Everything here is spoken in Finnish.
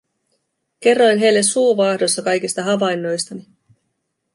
Kerroin heille suu vaahdossa kaikista havainnoistani.